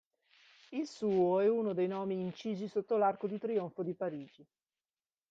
Il suo è uno dei nomi incisi sotto l'Arco di Trionfo di Parigi.